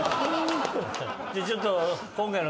じゃあちょっと。